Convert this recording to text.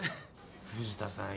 藤田さん